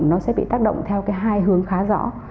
nó sẽ bị tác động theo cái hai hướng khá rõ